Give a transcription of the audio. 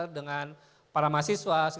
dengan para mahasiswa